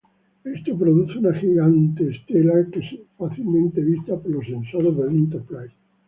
Esto produce una gigante estela que es fácilmente vista por los sensores del "Enterprise".